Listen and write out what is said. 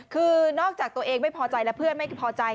คือนอกจากตัวเองไม่พอใจและเพื่อนไม่พอใจ